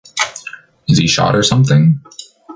Is he shot or something?